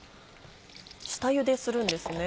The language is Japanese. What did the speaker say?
下ゆでするんですね。